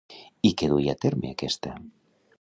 I què duia a terme aquesta?